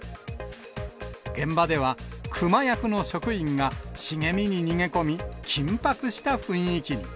現場ではクマ役の職員が茂みに逃げ込み、緊迫した雰囲気に。